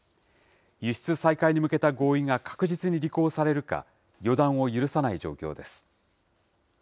輸出再開に向けた合意が確実に履行されるか、予断を許さない状況です。